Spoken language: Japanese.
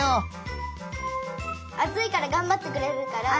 あついからがんばってくれるから。